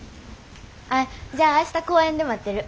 あっじゃあ明日公園で待ってる。